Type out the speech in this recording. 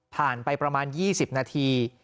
ผ่านไปประมาณ๒๐นาที